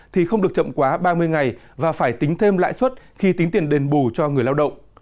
thì không được chậm quá ba mươi ngày và phải tính thêm lãi suất khi tính tiền đền bù cho người lao động